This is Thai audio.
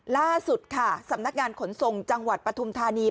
ล่าสุดค่ะสำนักงานขนส่งจังหวัดปฐุมธานี